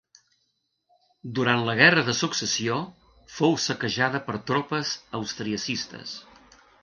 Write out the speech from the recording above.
Durant la guerra de Successió fou saquejada per tropes austriacistes.